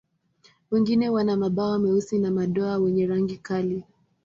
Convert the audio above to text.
Wengine wana mabawa meusi na madoa wenye rangi kali.